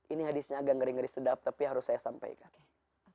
ini hadisnya agak ngeri ngeri sedap tapi harus saya sampaikan